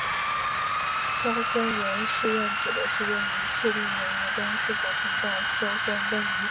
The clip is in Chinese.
硝酸盐试验指的是用于确定溶液中是否存在硝酸根离子的化学测试。